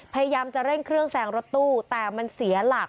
พยายามจะเร่งเครื่องแซงรถตู้แต่มันเสียหลัก